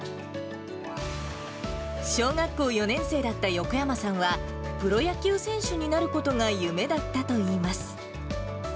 小学校４年生だった横山さんは、プロ野球選手になることが夢だったといいます。